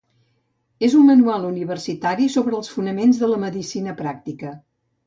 És un manual universitari sobre els fonaments de la medicina pràctica.